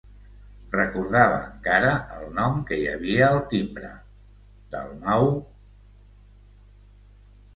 Recordava encara el nom que hi havia al timbre, Dalmau...